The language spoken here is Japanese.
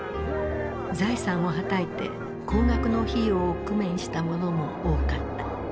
財産をはたいて高額の費用を工面した者も多かった。